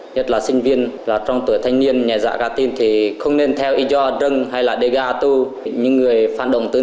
nhất là sinh viên trong tuổi thanh niên nhà dạ ca tin không nên theo y do rừng hay đê ga tu